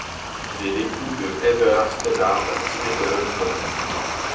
Il est l'époux de Heather Stoddard, tibétologue comme lui.